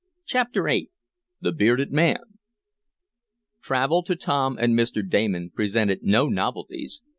Chapter VIII The Bearded Man Travel to Tom and Mr. Damon presented no novelties.